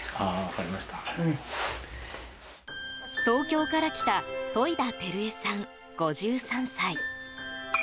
東京から来た戸井田耀枝さん、５３歳。